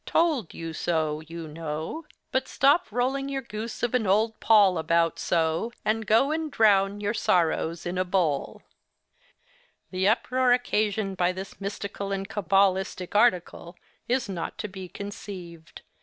Txld yxu sx, yxu knxw,—but stxp rxlling yxur gxxse xf an xld pxll abxut sx, and gx and drxwn yxur sxrrxws in a bxwl!' The uproar occasioned by this mystical and cabalistical article, is not to be conceived.